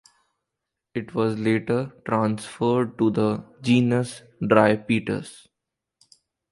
It was later transferred to the genus "Drypetes".